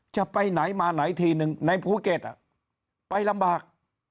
จะไปไหนมาไหนทีนึงในภูเก็ตไปลำบาก